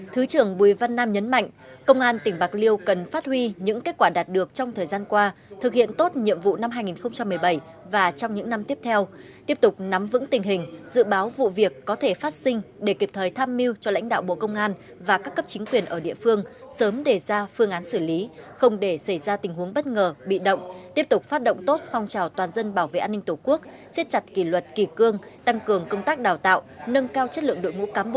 thứ trưởng bùi văn nam nhấn mạnh công an tỉnh bạc liêu cần phát huy những kết quả đạt được trong thời gian qua thực hiện tốt nhiệm vụ năm hai nghìn một mươi bảy và trong những năm tiếp theo tiếp tục nắm vững tình hình dự báo vụ việc có thể phát sinh để kịp thời tham mưu cho lãnh đạo bộ công an và các cấp chính quyền ở địa phương sớm đề ra phương án xử lý không để xảy ra tình huống bất ngờ bị động tiếp tục phát động tốt phong trào toàn dân bảo vệ an ninh tổ quốc xếp chặt kỳ luật kỳ cương tăng cường công tác đào tạo nâng cao chất lượng độ